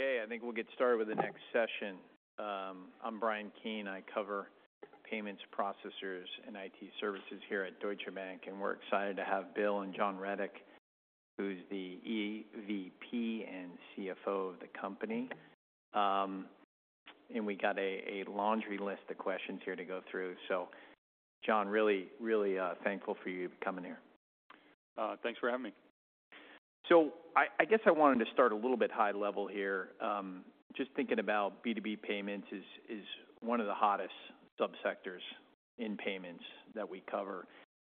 Okay, I think we'll get started with the next session. I'm Bryan Keane. I cover payments, processors, and IT services here at Deutsche Bank, and we're excited to have BILL and John Rettig, who's the EVP and CFO of the company. And we got a laundry list of questions here to go through. So John, really, really thankful for you coming here. Thanks for having me. I guess I wanted to start a little bit high level here. Just thinking about B2B payments is one of the hottest subsectors in payments that we cover.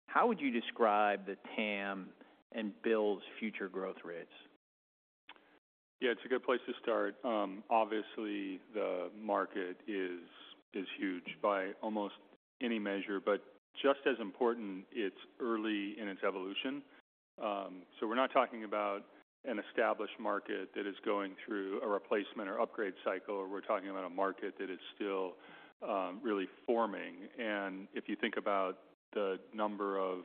How would you describe the TAM and BILL's future growth rates? Yeah, it's a good place to start. Obviously, the market is huge by almost any measure, but just as important, it's early in its evolution. So we're not talking about an established market that is going through a replacement or upgrade cycle, or we're talking about a market that is still really forming. And if you think about the number of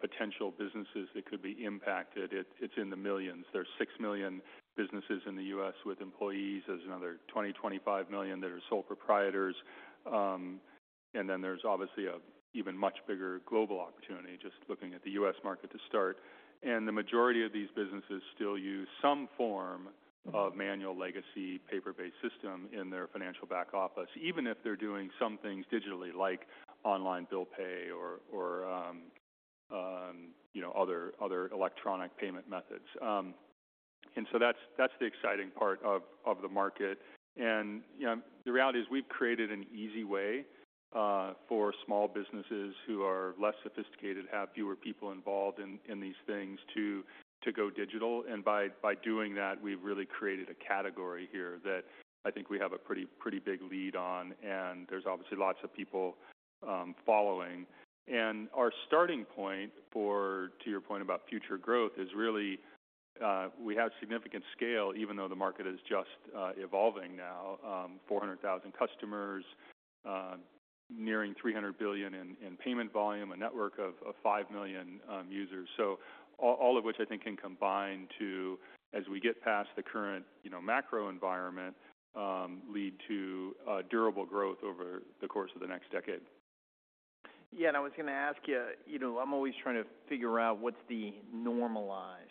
potential businesses that could be impacted, it's in the millions. There's 6 million businesses in the U.S. with employees. There's another 20-25 million that are sole proprietors. And then there's obviously an even much bigger global opportunity just looking at the U.S. market to start. The majority of these businesses still use some form of manual legacy paper-based system in their financial back office, even if they're doing some things digitally, like online bill pay or you know, other electronic payment methods. So that's the exciting part of the market. You know, the reality is we've created an easy way for small businesses who are less sophisticated, have fewer people involved in these things, to go digital. And by doing that, we've really created a category here that I think we have a pretty big lead on, and there's obviously lots of people following. Our starting point for, to your point about future growth, is really we have significant scale, even though the market is just evolving now. 400,000 customers, nearing $300 billion in payment volume, a network of 5 million users. So all of which I think can combine to, as we get past the current, you know, macro environment, lead to durable growth over the course of the next decade. Yeah, and I was going to ask you, you know, I'm always trying to figure out what's the normalized,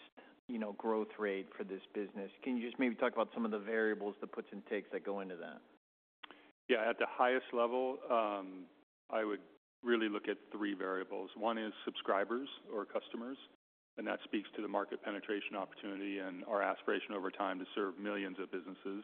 you know, growth rate for this business. Can you just maybe talk about some of the variables, the puts and takes that go into that? Yeah. At the highest level, I would really look at three variables. One is subscribers or customers, and that speaks to the market penetration opportunity and our aspiration over time to serve millions of businesses.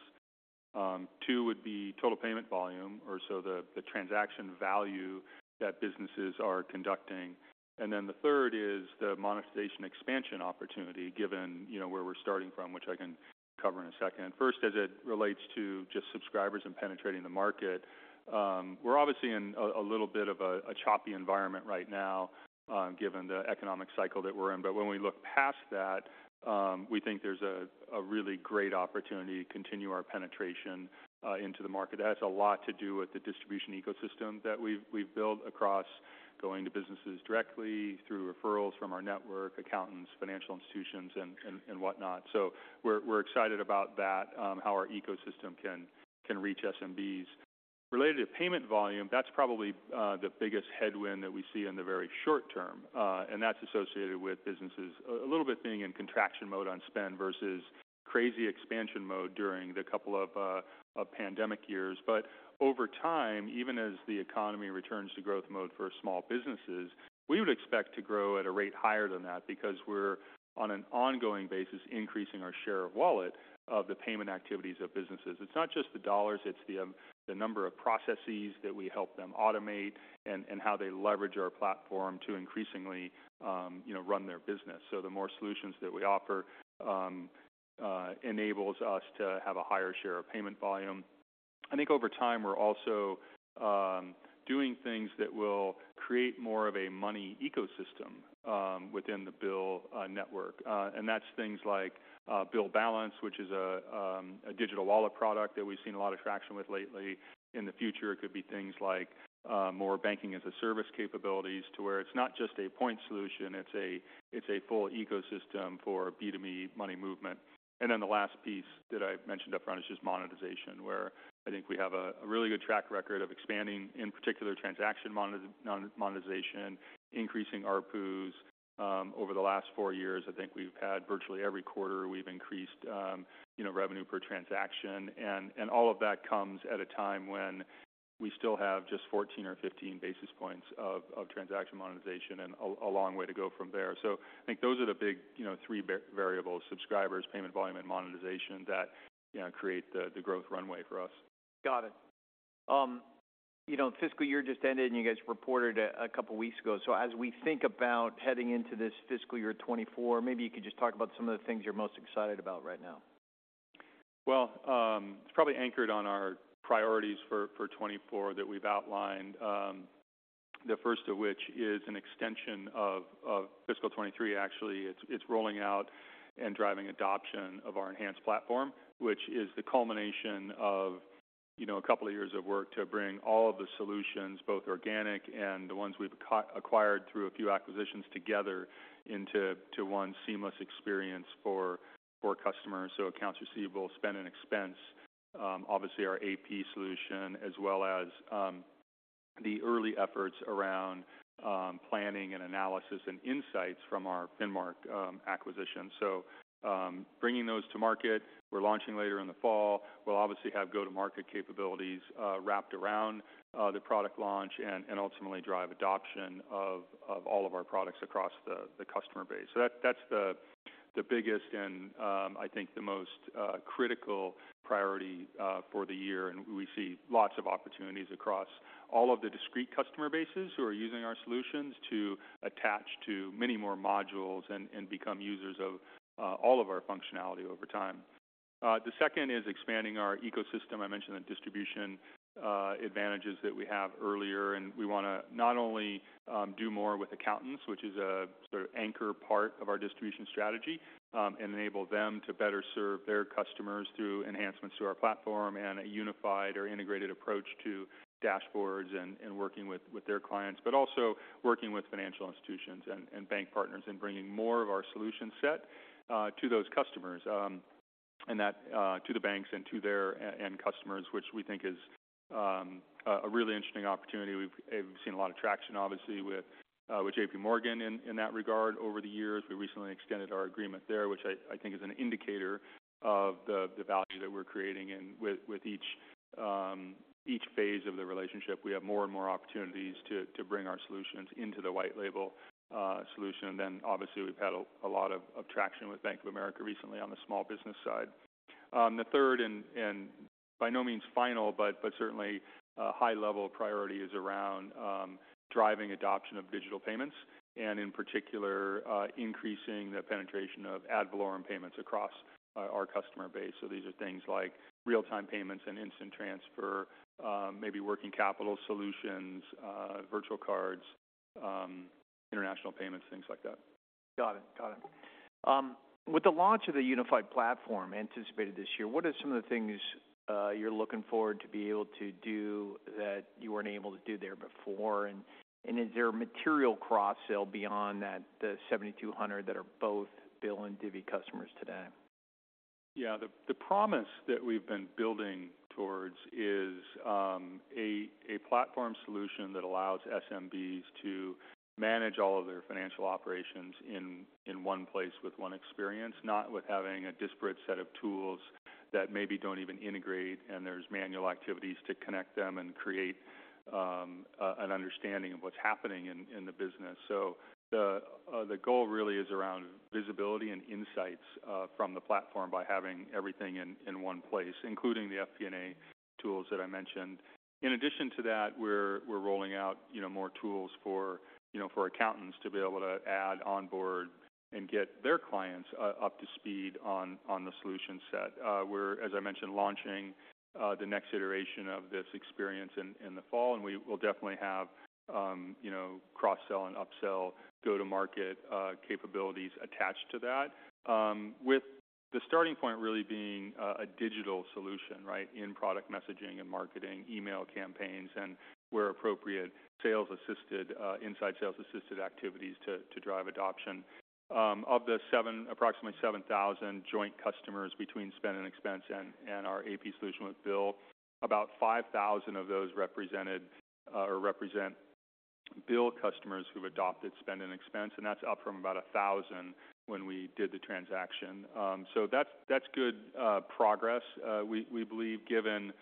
Two would be total payment volume or the transaction value that businesses are conducting. And then the third is the monetization expansion opportunity, given, you know, where we're starting from, which I can cover in a second. First, as it relates to just subscribers and penetrating the market, we're obviously in a little bit of a choppy environment right now, given the economic cycle that we're in. But when we look past that, we think there's a really great opportunity to continue our penetration into the market. That has a lot to do with the distribution ecosystem that we've built across going to businesses directly, through referrals from our network, accountants, financial institutions, and whatnot. So we're excited about that, how our ecosystem can reach SMBs. Related to payment volume, that's probably the biggest headwind that we see in the very short term, and that's associated with businesses a little bit being in contraction mode on spend versus crazy expansion mode during the couple of pandemic years. But over time, even as the economy returns to growth mode for small businesses, we would expect to grow at a rate higher than that because we're on an ongoing basis, increasing our share of wallet of the payment activities of businesses. It's not just the dollars, it's the, the number of processes that we help them automate and, and how they leverage our platform to increasingly, you know, run their business. So the more solutions that we offer enables us to have a higher share of payment volume. I think over time, we're also doing things that will create more of a money ecosystem within the BILL network. And that's things like, BILL Balance, which is a, a digital wallet product that we've seen a lot of traction with lately. In the future, it could be things like, more banking as a service capabilities to where it's not just a point solution, it's a, it's a full ecosystem for B2B money movement. And then the last piece that I mentioned upfront is just monetization, where I think we have a, a really good track record of expanding, in particular, transaction monetization, increasing ARPUs. Over the last four years, I think we've had virtually every quarter, we've increased, you know, revenue per transaction. And all of that comes at a time when we still have just 14 or 15 basis points of transaction monetization and a, a long way to go from there. So I think those are the big, you know, three variables, subscribers, payment volume, and monetization, that, you know, create the growth runway for us. Got it. You know, fiscal year just ended, and you guys reported a couple of weeks ago. So as we think about heading into this fiscal year 2024, maybe you could just talk about some of the things you're most excited about right now. Well, it's probably anchored on our priorities for 2024 that we've outlined. The first of which is an extension of fiscal 2023. Actually, it's rolling out and driving adoption of our enhanced platform, which is the culmination of you know, a couple of years of work to bring all of the solutions, both organic and the ones we've co-acquired through a few acquisitions, together into one seamless experience for customers. So accounts receivable, Spend & Expense, obviously our AP solution, as well as the early efforts around planning and analysis and insights from our Finmark acquisition. So, bringing those to market, we're launching later in the fall. We'll obviously have go-to-market capabilities wrapped around the product launch and ultimately drive adoption of all of our products across the customer base. So that's the biggest and, I think, the most critical priority for the year, and we see lots of opportunities across all of the discrete customer bases who are using our solutions to attach to many more modules and become users of all of our functionality over time. The second is expanding our ecosystem. I mentioned the distribution advantages that we have earlier, and we wanna not only do more with accountants, which is a sort of anchor part of our distribution strategy, enable them to better serve their customers through enhancements to our platform and a unified or integrated approach to dashboards and working with their clients. But also working with financial institutions and bank partners and bringing more of our solution set to those customers and that to the banks and to their end customers, which we think is a really interesting opportunity. We've seen a lot of traction, obviously, with J.P. Morgan in that regard over the years. We recently extended our agreement there, which I think is an indicator of the value that we're creating. And with each phase of the relationship, we have more and more opportunities to bring our solutions into the white label solution. And then obviously, we've had a lot of traction with Bank of America recently on the small business side. The third and by no means final, but certainly a high level priority, is around driving adoption of digital payments and, in particular, increasing the penetration of ad valorem payments across our customer base. So these are things like real-time payments and instant transfer, maybe working capital solutions, virtual cards, international payments, things like that. Got it. Got it. With the launch of the unified platform anticipated this year, what are some of the things you're looking forward to be able to do that you weren't able to do there before? And, and is there a material cross-sell beyond that, the 7,200 that are both BILL and Divvy customers today? Yeah. The promise that we've been building towards is a platform solution that allows SMBs to manage all of their financial operations in one place with one experience, not with having a disparate set of tools that maybe don't even integrate, and there's manual activities to connect them and create an understanding of what's happening in the business. So the goal really is around visibility and insights from the platform by having everything in one place, including the FP&A tools that I mentioned. In addition to that, we're rolling out, you know, more tools, you know, for accountants to be able to and onboard and get their clients up to speed on the solution set. We're, as I mentioned, launching the next iteration of this experience in the fall, and we will definitely have, you know, cross-sell and up-sell, go-to-market capabilities attached to that. With the starting point really being a digital solution, right, in product messaging and marketing, email campaigns, and where appropriate, sales assisted inside sales assisted activities to drive adoption. Of the approximately 7,000 joint customers between Spend & Expense and our AP solution with BILL, about 5,000 of those represented or represent BILL customers who've adopted Spend & Expense, and that's up from about 1,000 when we did the transaction. So that's good progress. We believe, given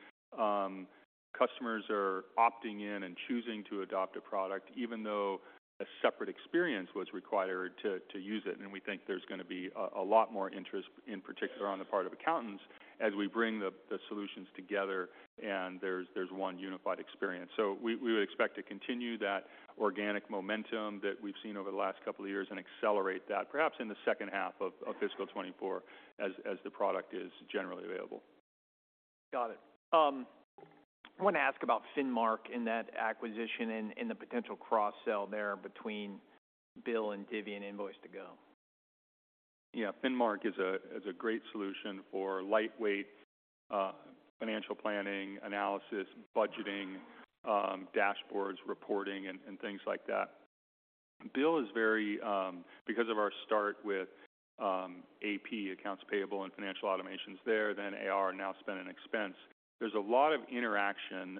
customers are opting in and choosing to adopt a product, even though a separate experience was required to use it. We think there's gonna be a lot more interest, in particular, on the part of accountants, as we bring the solutions together, and there's one unified experience. So we would expect to continue that organic momentum that we've seen over the last couple of years and accelerate that, perhaps in the second half of fiscal 2024, as the product is generally available. Got it. I want to ask about Finmark and that acquisition and, and the potential cross-sell there between BILL and Divvy and Invoice2go. Yeah, Finmark is a great solution for lightweight financial planning, analysis, budgeting, dashboards, reporting, and things like that. BILL is very... Because of our start with AP, accounts payable, and financial automations there, then AR, now Spend & Expense, there's a lot of interaction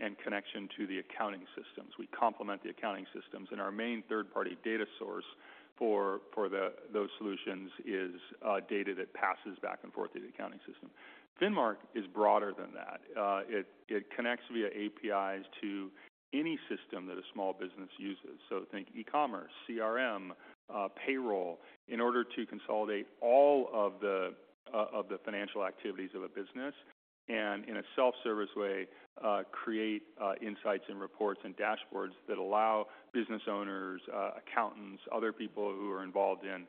and connection to the accounting systems. We complement the accounting systems, and our main third-party data source for those solutions is data that passes back and forth through the accounting system. Finmark is broader than that. It connects via APIs to any system that a small business uses, so think e-commerce, CRM, payroll, in order to consolidate all of the of the financial activities of a business, and in a self-service way, create insights and reports and dashboards that allow business owners, accountants, other people who are involved in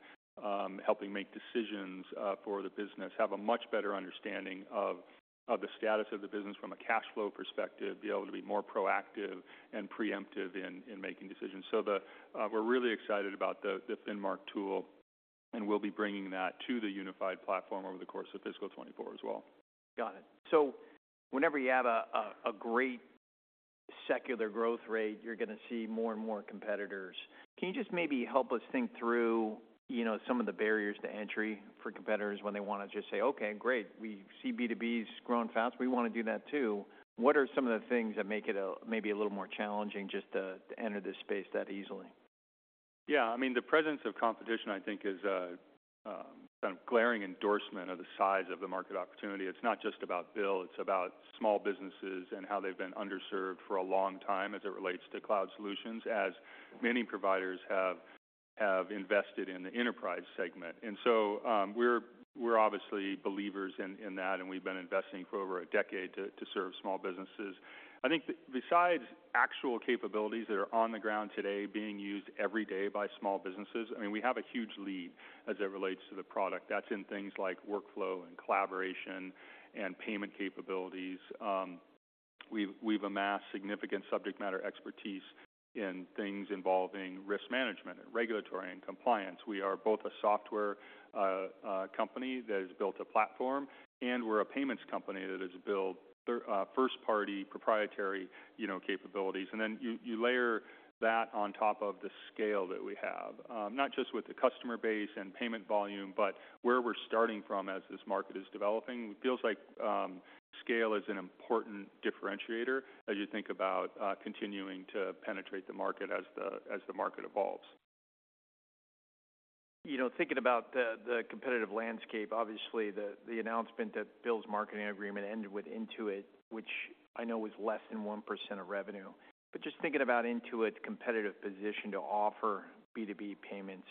helping make decisions for the business, have a much better understanding of the status of the business from a cash flow perspective, be able to be more proactive and preemptive in making decisions. We're really excited about the Finmark tool and we'll be bringing that to the unified platform over the course of fiscal 2024 as well. Got it. So whenever you have a great secular growth rate, you're gonna see more and more competitors. Can you just maybe help us think through, you know, some of the barriers to entry for competitors when they want to just say, "Okay, great, we see B2Bs growing fast. We want to do that too." What are some of the things that make it maybe a little more challenging just to enter this space that easily? Yeah, I mean, the presence of competition, I think, is a kind of glaring endorsement of the size of the market opportunity. It's not just about BILL, it's about small businesses and how they've been underserved for a long time as it relates to cloud solutions, as many providers have invested in the enterprise segment. And so, we're obviously believers in that, and we've been investing for over a decade to serve small businesses. I think besides actual capabilities that are on the ground today, being used every day by small businesses, I mean, we have a huge lead as it relates to the product. That's in things like workflow and collaboration and payment capabilities. We've amassed significant subject matter expertise in things involving risk management and regulatory and compliance. We are both a software company that has built a platform, and we're a payments company that has built first-party proprietary, you know, capabilities. And then you, you layer that on top of the scale that we have, not just with the customer base and payment volume, but where we're starting from as this market is developing. It feels like scale is an important differentiator as you think about continuing to penetrate the market as the market evolves. You know, thinking about the competitive landscape, obviously, the announcement that BILL's marketing agreement ended with Intuit, which I know was less than 1% of revenue. But just thinking about Intuit's competitive position to offer B2B payments,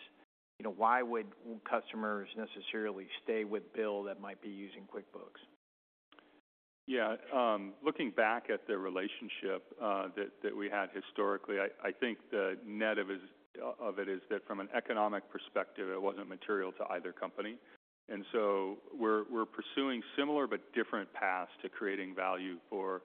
you know, why would customers necessarily stay with BILL that might be using QuickBooks? Yeah. Looking back at the relationship that we had historically, I think the net of it is that from an economic perspective, it wasn't material to either company. And so we're pursuing similar but different paths to creating value for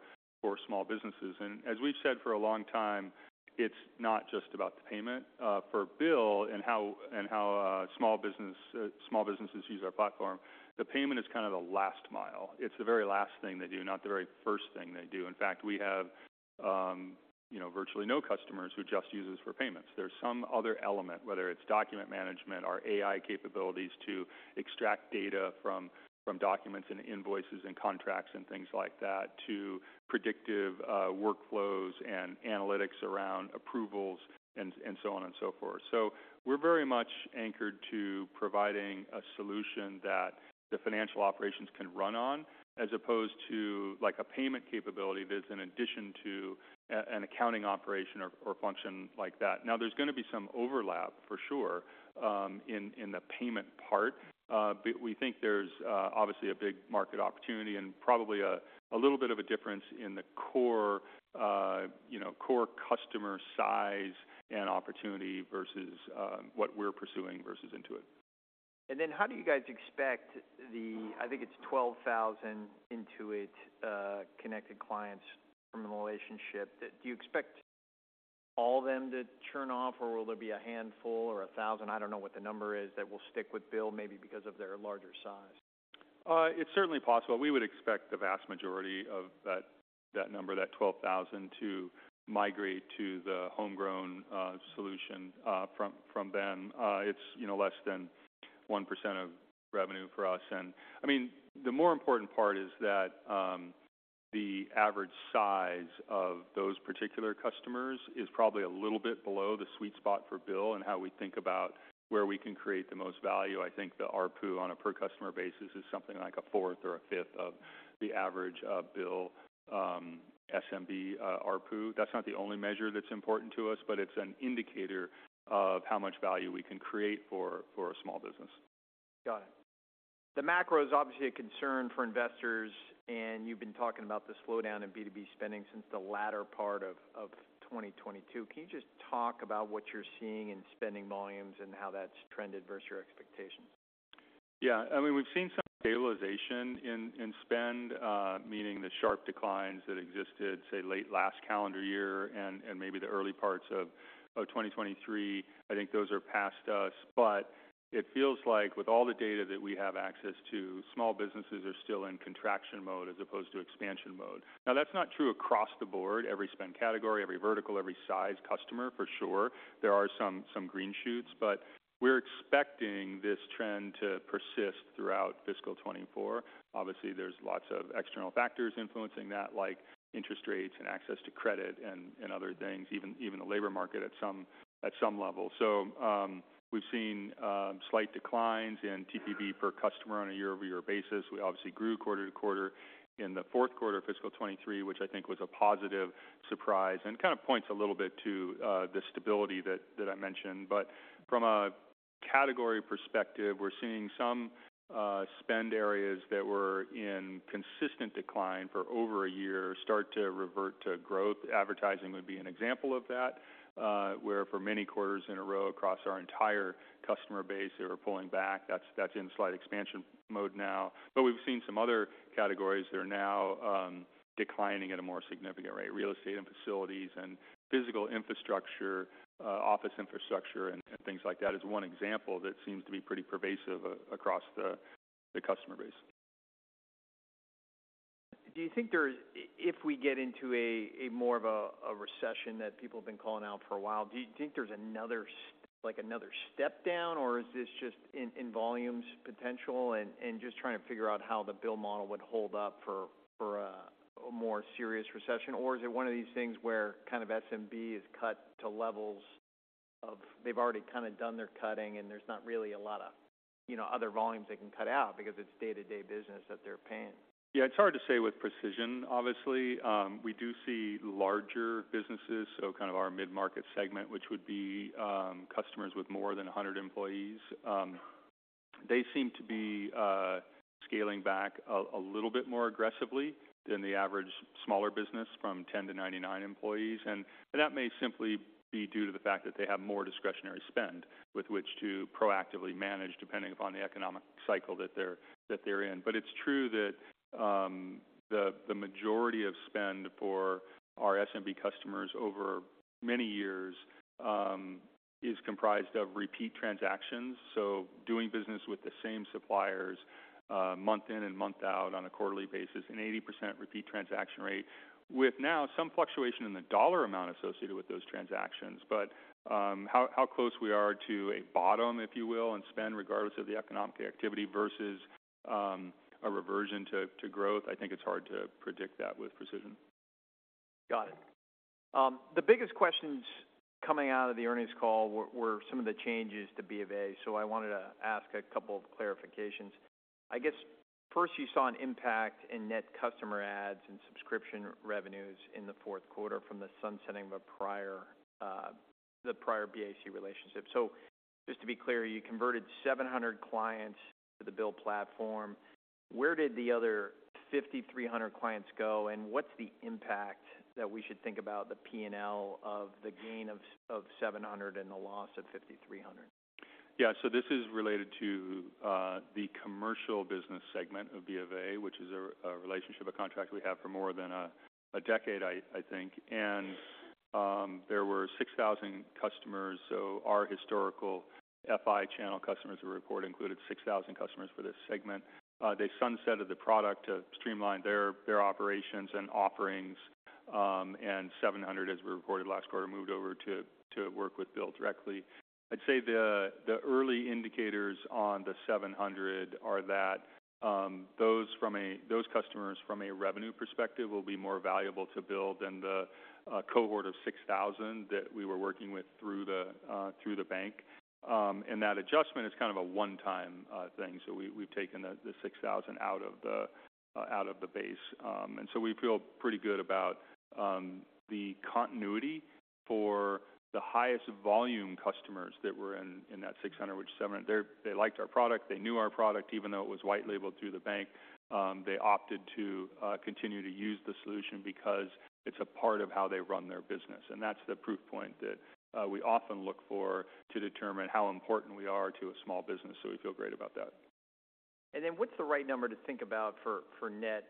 small businesses. And as we've said for a long time, it's not just about the payment for BILL and how small businesses use our platform. The payment is kind of the last mile. It's the very last thing they do, not the very first thing they do. In fact, we have you know, virtually no customers who just use this for payments. There's some other element, whether it's document management or AI capabilities, to extract data from, from documents and invoices and contracts and things like that, to predictive, workflows and analytics around approvals and so on and so forth. So we're very much anchored to providing a solution that the financial operations can run on, as opposed to, like, a payment capability that's in addition to an accounting operation or function like that. Now, there's gonna be some overlap for sure, in the payment part, but we think there's, obviously a big market opportunity and probably a little bit of a difference in the core, you know, core customer size and opportunity versus, what we're pursuing versus Intuit. How do you guys expect the... I think it's 12,000 Intuit connected clients from the relationship. Do you expect all of them to churn off, or will there be a handful or a thousand? I don't know what the number is, that will stick with BILL, maybe because of their larger size. It's certainly possible. We would expect the vast majority of that, that number, that 12,000, to migrate to the homegrown solution from, from them. It's, you know, less than 1% of revenue for us. And I mean, the more important part is that, the average size of those particular customers is probably a little bit below the sweet spot for BILL and how we think about where we can create the most value. I think the ARPU on a per-customer basis is something like a fourth or a fifth of the average, BILL, SMB, ARPU. That's not the only measure that's important to us, but it's an indicator of how much value we can create for, for a small business. Got it. The macro is obviously a concern for investors, and you've been talking about the slowdown in B2B spending since the latter part of 2022. Can you just talk about what you're seeing in spending volumes and how that's trended versus your expectations? Yeah, I mean, we've seen some stabilization in spend, meaning the sharp declines that existed, say, late last calendar year and maybe the early parts of 2023. I think those are past us, but it feels like with all the data that we have access to, small businesses are still in contraction mode as opposed to expansion mode. Now, that's not true across the board. Every spend category, every vertical, every size customer, for sure. There are some green shoots, but we're expecting this trend to persist throughout fiscal 2024. Obviously, there's lots of external factors influencing that, like interest rates and access to credit and other things, even the labor market at some level. So, we've seen slight declines in TPV per customer on a year-over-year basis. We obviously grew quarter to quarter in the fourth quarter of fiscal 2023, which I think was a positive surprise and kind of points a little bit to the stability that I mentioned. But from a category perspective, we're seeing some spend areas that were in consistent decline for over a year start to revert to growth. Advertising would be an example of that where for many quarters in a row, across our entire customer base, they were pulling back. That's in slight expansion mode now, but we've seen some other categories that are now declining at a more significant rate. Real estate and facilities and physical infrastructure, office infrastructure and things like that, is one example that seems to be pretty pervasive across the customer base. Do you think there is, if we get into a more of a recession that people have been calling out for a while, do you think there's another, like, another step down, or is this just in volumes potential? And just trying to figure out how the BILL model would hold up for a more serious recession? Or is it one of these things where kind of SMB is cut to levels of they've already kind of done their cutting, and there's not really a lot of, you know, other volumes they can cut out because it's day-to-day business that they're paying. Yeah, it's hard to say with precision. Obviously, we do see larger businesses, so kind of our mid-market segment, which would be, customers with more than 100 employees. They seem to be scaling back a little bit more aggressively than the average smaller business from 10-99 employees. And that may simply be due to the fact that they have more discretionary spend with which to proactively manage, depending upon the economic cycle that they're, that they're in. But it's true that, the majority of spend for our SMB customers over many years, is comprised of repeat transactions. So doing business with the same suppliers, month in and month out on a quarterly basis, an 80% repeat transaction rate, with now some fluctuation in the dollar amount associated with those transactions. How close we are to a bottom, if you will, and spend regardless of the economic activity versus a reversion to growth, I think it's hard to predict that with precision. Got it. The biggest questions coming out of the earnings call were some of the changes to BofA, so I wanted to ask a couple of clarifications. I guess first, you saw an impact in net customer adds and subscription revenues in the fourth quarter from the sunsetting of a prior, the prior BAC relationship. So just to be clear, you converted 700 clients to the BILL platform. Where did the other 5,300 clients go, and what's the impact that we should think about the P&L of the gain of 700 and the loss of 5,300? Yeah, so this is related to the commercial business segment of BofA, which is a relationship, a contract we have for more than a decade, I think. And there were 6,000 customers, so our historical FI channel customers we report included 6,000 customers for this segment. They sunsetted the product to streamline their operations and offerings. And 700, as we reported last quarter, moved over to work with BILL directly. I'd say the early indicators on the 700 are that those customers from a revenue perspective will be more valuable to BILL than the cohort of 6,000 that we were working with through the bank. And that adjustment is kind of a one-time thing. So we've taken the 6,000 out of the base. And so we feel pretty good about the continuity for the highest volume customers that were in that 600, which seven they liked our product. They knew our product, even though it was white labeled through the bank. They opted to continue to use the solution because it's a part of how they run their business, and that's the proof point that we often look for to determine how important we are to a small business. So we feel great about that. And then what's the right number to think about for net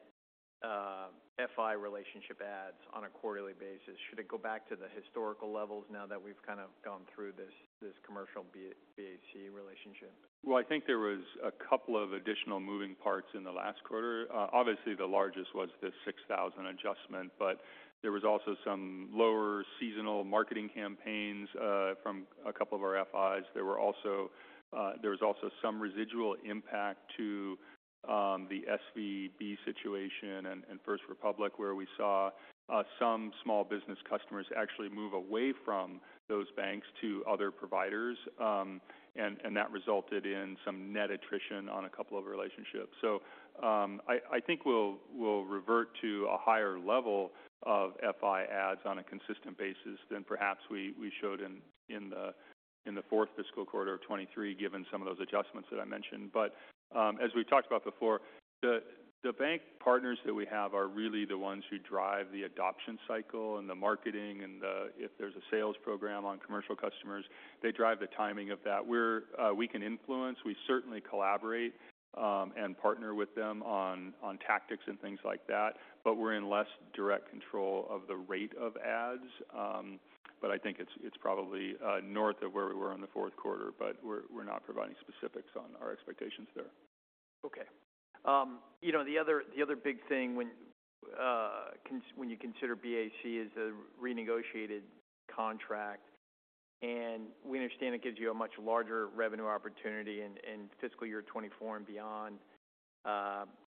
FI relationship adds on a quarterly basis? Should it go back to the historical levels now that we've kind of gone through this commercial BAC relationship? Well, I think there was a couple of additional moving parts in the last quarter. Obviously, the largest was the $6,000 adjustment, but there was also some lower seasonal marketing campaigns from a couple of our FIs. There was also some residual impact to the SVB situation and First Republic, where we saw some small business customers actually move away from those banks to other providers. And that resulted in some net attrition on a couple of relationships. So, I think we'll revert to a higher level of FI ads on a consistent basis than perhaps we showed in the fourth fiscal quarter of 2023, given some of those adjustments that I mentioned. But, as we've talked about before, the bank partners that we have are really the ones who drive the adoption cycle and the marketing, and if there's a sales program on commercial customers, they drive the timing of that. We can influence, we certainly collaborate, and partner with them on tactics and things like that, but we're in less direct control of the rate of ads. But I think it's probably north of where we were in the fourth quarter, but we're not providing specifics on our expectations there. Okay. You know, the other big thing when you consider BAC is a renegotiated contract, and we understand it gives you a much larger revenue opportunity in fiscal year 2024 and beyond,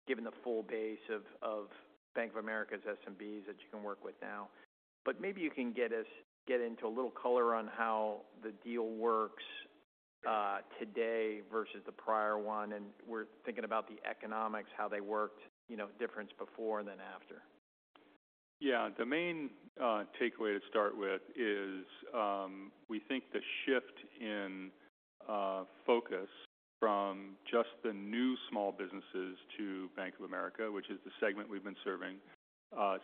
given the full base of Bank of America's SMBs that you can work with now. But maybe you can get us into a little color on how the deal works today versus the prior one, and we're thinking about the economics, how they worked, you know, difference before and then after. Yeah. The main takeaway to start with is, we think the shift in focus from just the new small businesses to Bank of America, which is the segment we've been serving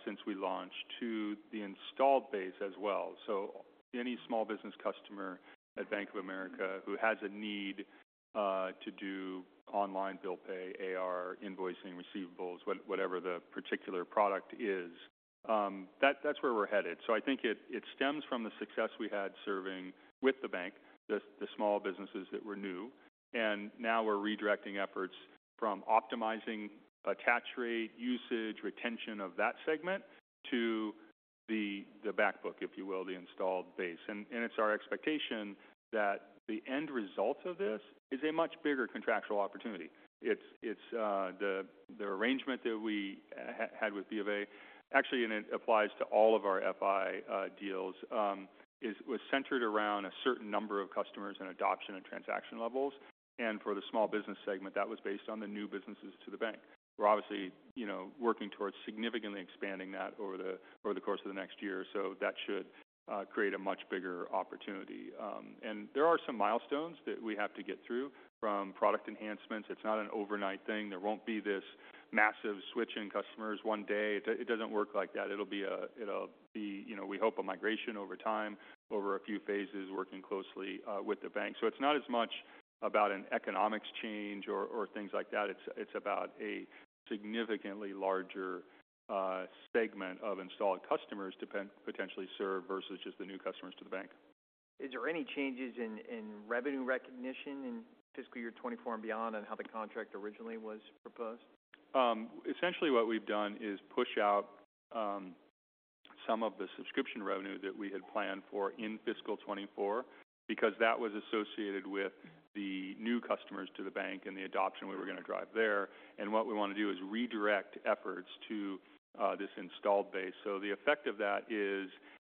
since we launched, to the installed base as well. So any small business customer at Bank of America who has a need to do online bill pay, AR, invoicing, receivables, whatever the particular product is. That, that's where we're headed. So I think it stems from the success we had serving with the bank, the small businesses that were new, and now we're redirecting efforts from optimizing attach rate, usage, retention of that segment to the back book, if you will, the installed base. And it's our expectation that the end result of this is a much bigger contractual opportunity. It's the arrangement that we had with BofA, actually, and it applies to all of our FI deals, was centered around a certain number of customers and adoption and transaction levels. And for the small business segment, that was based on the new businesses to the bank. We're obviously, you know, working towards significantly expanding that over the course of the next year. So that should create a much bigger opportunity. And there are some milestones that we have to get through, from product enhancements. It's not an overnight thing. There won't be this massive switch in customers one day. It doesn't work like that. It'll be, you know, we hope, a migration over time, over a few phases, working closely with the bank. So it's not as much about an economics change or things like that. It's about a significantly larger segment of installed customers to potentially serve, versus just the new customers to the bank. Is there any changes in revenue recognition in fiscal year 2024 and beyond, on how the contract originally was proposed? Essentially, what we've done is push out some of the subscription revenue that we had planned for in fiscal 2024, because that was associated with the new customers to the bank and the adoption we were going to drive there. And what we want to do is redirect efforts to this installed base. So the effect of that is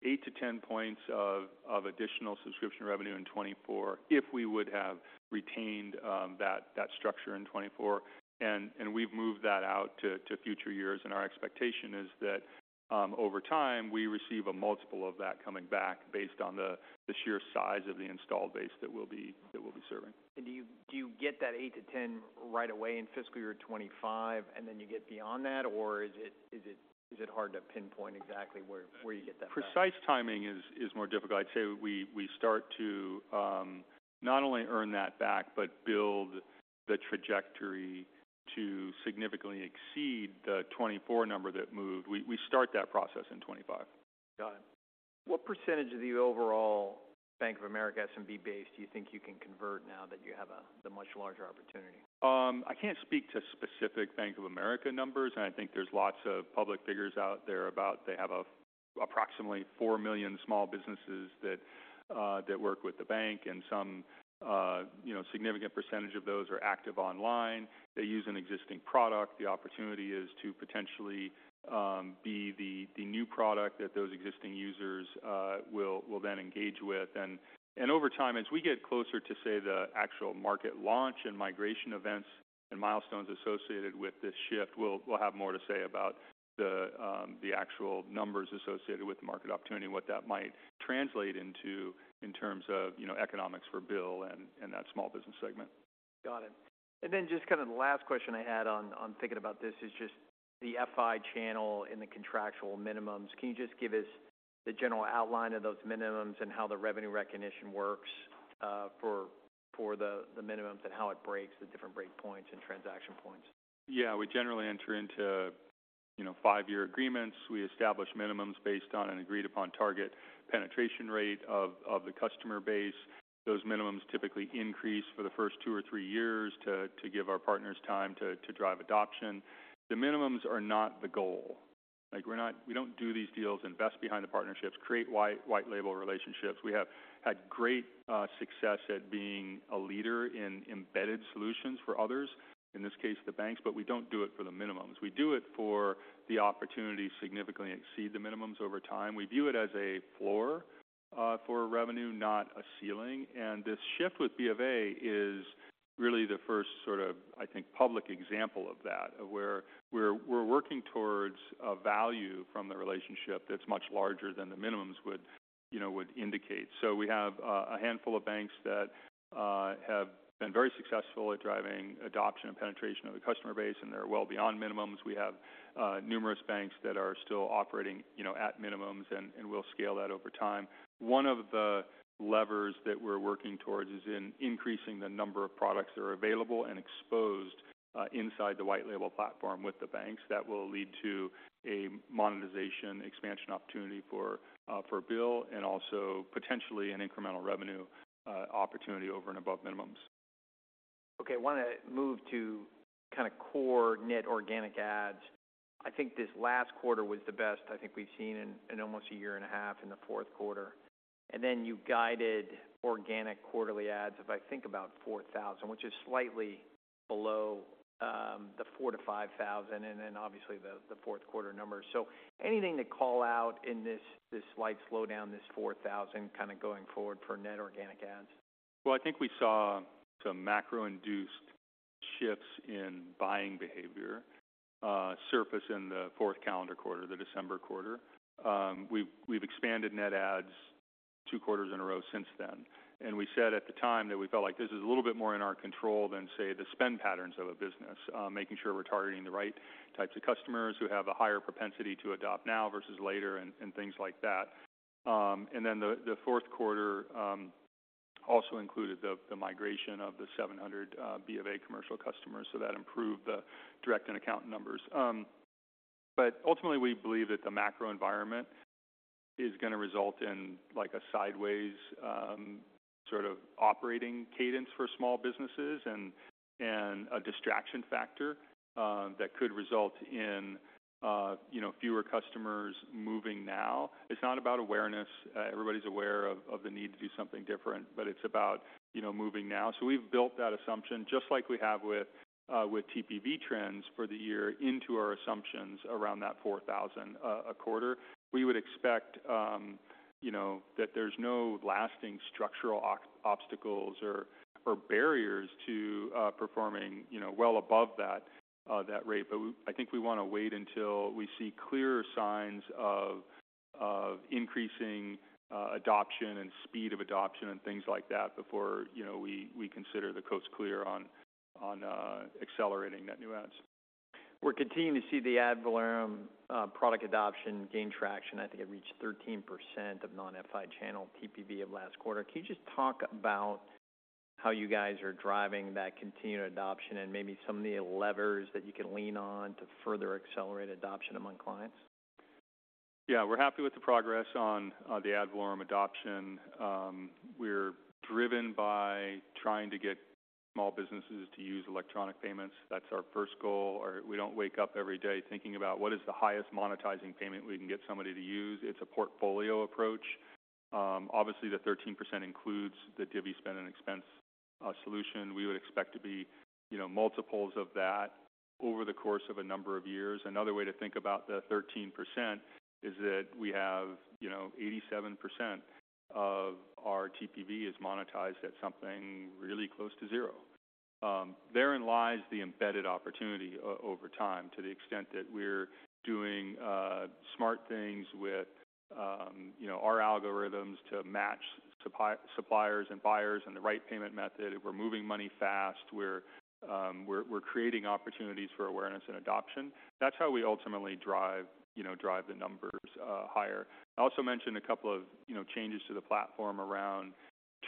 eight-10 points of additional subscription revenue in 2024, if we would have retained that structure in 2024. And we've moved that out to future years. And our expectation is that, over time, we receive a multiple of that coming back based on the sheer size of the installed base that we'll be serving. Do you get that eight-10 right away in fiscal year 2025, and then you get beyond that? Or is it hard to pinpoint exactly where you get that back? Precise timing is more difficult. I'd say we start to not only earn that back, but build the trajectory to significantly exceed the 2024 number that moved. We start that process in 2025. Got it. What percentage of the overall Bank of America SMB base do you think you can convert now that you have the much larger opportunity? I can't speak to specific Bank of America numbers, and I think there's lots of public figures out there about they have approximately 4 million small businesses that work with the bank, and some, you know, significant percentage of those are active online. They use an existing product. The opportunity is to potentially be the new product that those existing users will then engage with. And over time, as we get closer to, say, the actual market launch and migration events and milestones associated with this shift, we'll have more to say about the actual numbers associated with the market opportunity and what that might translate into in terms of, you know, economics for BILL and that small business segment. Got it. And then just kind of the last question I had on thinking about this is just the FI channel and the contractual minimums. Can you just give us the general outline of those minimums and how the revenue recognition works for the minimums, and how it breaks the different break points and transaction points? Yeah. We generally enter into, you know, five-year agreements. We establish minimums based on an agreed-upon target penetration rate of the customer base. Those minimums typically increase for the first two or three years to give our partners time to drive adoption. The minimums are not the goal. Like, We don't do these deals, invest behind the partnerships, create white label relationships. We have had great success at being a leader in embedded solutions for others, in this case, the banks, but we don't do it for the minimums. We do it for the opportunity to significantly exceed the minimums over time. We view it as a floor for revenue, not a ceiling. This shift with BofA is really the first sort of, I think, public example of that, of where we're working towards a value from the relationship that's much larger than the minimums would, you know, would indicate. We have a handful of banks that have been very successful at driving adoption and penetration of the customer base, and they're well beyond minimums. We have numerous banks that are still operating, you know, at minimums, and we'll scale that over time. One of the levers that we're working towards is in increasing the number of products that are available and exposed inside the white label platform with the banks. That will lead to a monetization expansion opportunity for BILL and also potentially an incremental revenue opportunity over and above minimums. Okay, I want to move to kind of core net organic adds. I think this last quarter was the best I think we've seen in, in almost a year and a half, in the fourth quarter. And then you guided organic quarterly adds of, I think about $4,000, which is slightly below, the $4,000-$5,000, and then obviously the, the fourth quarter numbers. So anything to call out in this, this slight slowdown, this $4,000 kind of going forward for net organic adds? Well, I think we saw some macro-induced shifts in buying behavior surface in the fourth calendar quarter, the December quarter. We've expanded net ads two quarters in a row since then, and we said at the time that we felt like this is a little bit more in our control than, say, the spend patterns of a business. Making sure we're targeting the right types of customers who have a higher propensity to adopt now versus later, and things like that. And then the fourth quarter also included the migration of the 700 BofA commercial customers, so that improved the direct and account numbers. But ultimately, we believe that the macro environment is going to result in, like, a sideways, sort of operating cadence for small businesses and a distraction factor that could result in, you know, fewer customers moving now. It's not about awareness. Everybody's aware of the need to do something different, but it's about, you know, moving now. So we've built that assumption, just like we have with TPV trends for the year into our assumptions around that $4,000 a quarter. We would expect, you know, that there's no lasting structural obstacles or barriers to performing, you know, well above that rate. But I think we want to wait until we see clearer signs of increasing adoption and speed of adoption and things like that before, you know, we consider the coast clear on accelerating net new adds. We're continuing to see the ad valorem product adoption gain traction. I think it reached 13% of non-FI channel TPV of last quarter. Can you just talk about how you guys are driving that continued adoption and maybe some of the levers that you can lean on to further accelerate adoption among clients? Yeah, we're happy with the progress on the ad valorem adoption. We're driven by trying to get small businesses to use electronic payments. That's our first goal. Or we don't wake up every day thinking about what is the highest monetizing payment we can get somebody to use. It's a portfolio approach. Obviously, the 13% includes the Divvy Spend & Expense solution. We would expect to be, you know, multiples of that over the course of a number of years. Another way to think about the 13% is that we have, you know, 87% of our TPV is monetized at something really close to zero. There in lies the embedded opportunity over time, to the extent that we're doing smart things with, you know, our algorithms to match suppliers and buyers and the right payment method. We're moving money fast. We're creating opportunities for awareness and adoption. That's how we ultimately drive, you know, drive the numbers higher. I also mentioned a couple of, you know, changes to the platform around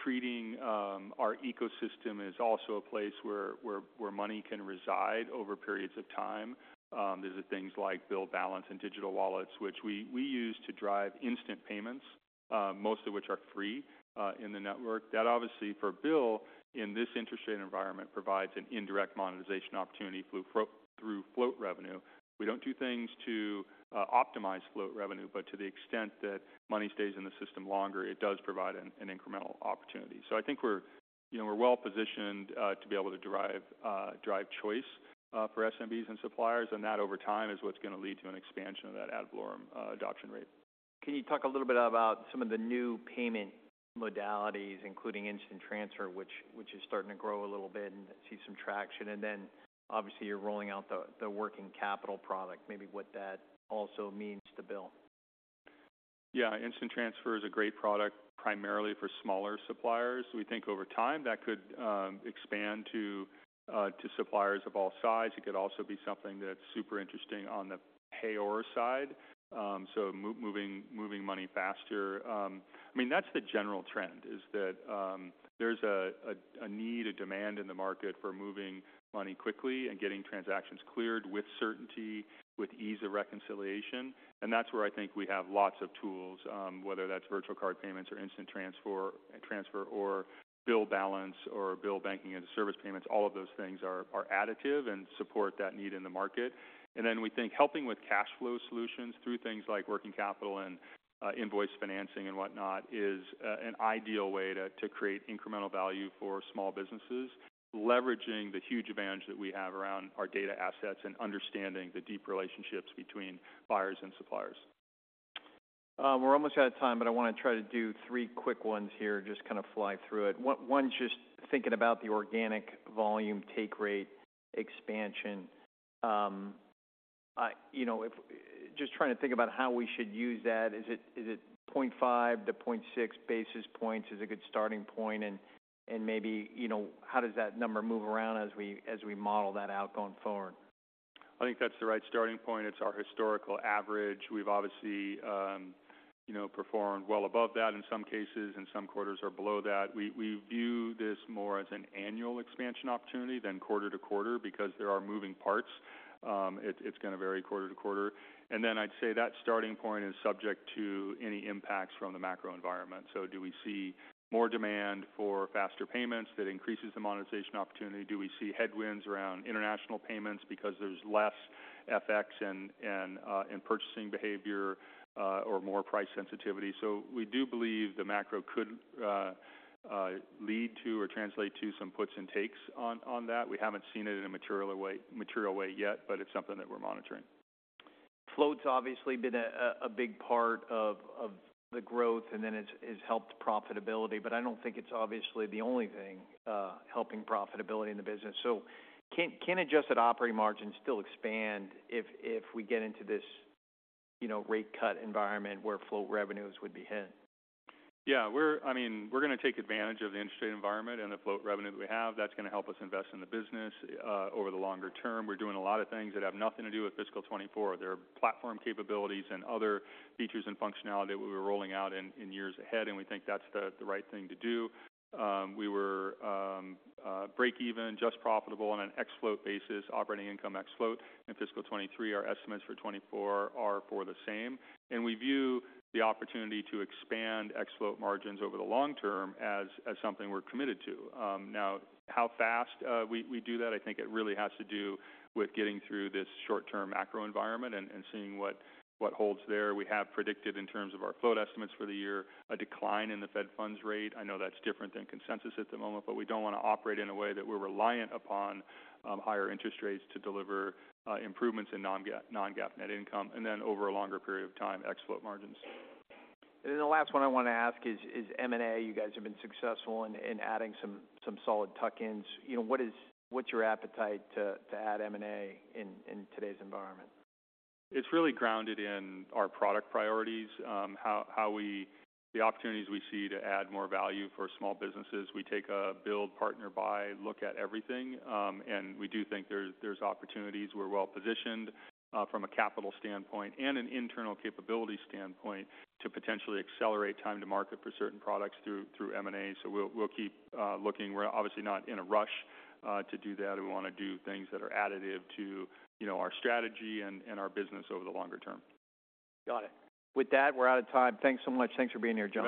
treating our ecosystem is also a place where money can reside over periods of time. These are things like BILL Balance and digital wallets, which we use to drive instant payments, most of which are free, in the network. That obviously, for BILL, in this interest rate environment, provides an indirect monetization opportunity through float revenue. We don't do things to optimize float revenue, but to the extent that money stays in the system longer, it does provide an incremental opportunity. So I think we're, you know, we're well positioned to be able to drive choice for SMBs and suppliers, and that over time is what's going to lead to an expansion of that ad valorem adoption rate. Can you talk a little bit about some of the new payment modalities, including instant transfer, which is starting to grow a little bit and see some traction, and then obviously you're rolling out the working capital product, maybe what that also means to BILL? Yeah, instant transfer is a great product, primarily for smaller suppliers. We think over time, that could expand to suppliers of all sizes. It could also be something that's super interesting on the payer side, so moving money faster. I mean, that's the general trend, is that there's a need, a demand in the market for moving money quickly and getting transactions cleared with certainty, with ease of reconciliation, and that's where I think we have lots of tools, whether that's virtual card payments or instant transfer or BILL Balance or BILL Banking and service payments. All of those things are additive and support that need in the market. And then we think helping with cash flow solutions through things like working capital and invoice financing and whatnot is an ideal way to create incremental value for small businesses, leveraging the huge advantage that we have around our data assets and understanding the deep relationships between buyers and suppliers. We're almost out of time, but I want to try to do three quick ones here, just kind of fly through it. One, just thinking about the organic volume take rate expansion. You know, just trying to think about how we should use that. Is it 0.5-0.6 basis points a good starting point? And maybe, you know, how does that number move around as we model that out going forward? I think that's the right starting point. It's our historical average. We've obviously, you know, performed well above that in some cases, and some quarters are below that. We view this more as an annual expansion opportunity than quarter to quarter because there are moving parts. It's going to vary quarter to quarter. And then I'd say that starting point is subject to any impacts from the macro environment. So do we see more demand for faster payments that increases the monetization opportunity? Do we see headwinds around international payments because there's less FX in purchasing behavior or more price sensitivity? So we do believe the macro could lead to or translate to some puts and takes on that. We haven't seen it in a material way yet, but it's something that we're monitoring. Float's obviously been a big part of the growth, and then it's helped profitability, but I don't think it's obviously the only thing helping profitability in the business. So can adjusted operating margins still expand if we get into this, you know, rate cut environment where float revenues would be hit? Yeah, I mean, we're going to take advantage of the interest rate environment and the float revenue that we have. That's going to help us invest in the business over the longer term. We're doing a lot of things that have nothing to do with fiscal 2024. There are platform capabilities and other features and functionality that we were rolling out in years ahead, and we think that's the right thing to do. We were break even, just profitable on an ex-float basis, operating income ex-float in fiscal 2023. Our estimates for 2024 are for the same, and we view the opportunity to expand ex-float margins over the long term as something we're committed to. Now, how fast we do that, I think it really has to do with getting through this short-term macro environment and seeing what holds there. We have predicted, in terms of our float estimates for the year, a decline in the Fed funds rate. I know that's different than consensus at the moment, but we don't want to operate in a way that we're reliant upon higher interest rates to deliver improvements in non-GAAP net income, and then over a longer period of time, ex-float margins. Then the last one I want to ask is M&A. You guys have been successful in adding some solid tuck-ins. You know, what's your appetite to add M&A in today's environment? It's really grounded in our product priorities, how we see the opportunities to add more value for small businesses. We take a build, buy, partner, look at everything, and we do think there's opportunities. We're well-positioned from a capital standpoint and an internal capability standpoint to potentially accelerate time to market for certain products through M&A. So we'll keep looking. We're obviously not in a rush to do that. We want to do things that are additive to, you know, our strategy and our business over the longer term. Got it. With that, we're out of time. Thanks so much. Thanks for being here, John.